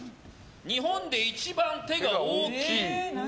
日本で一番手が大きい。